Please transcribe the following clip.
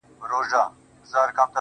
زما اشنا خبري پټي ساتي.